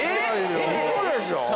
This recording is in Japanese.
ウソでしょ！